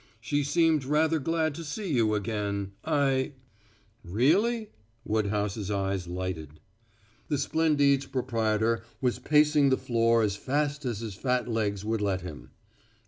"She seemed rather glad to see you again; I " "Really?" Woodhouse's eyes lighted. The Splendide's proprietor was pacing the floor as fast as his fat legs would let him.